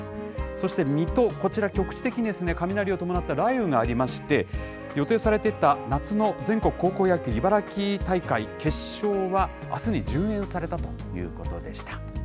そして、水戸、こちら局地的に雷を伴って雷雨がありまして、予定されていた夏の全国高校野球茨城大会決勝は、あすに順延されたということでした。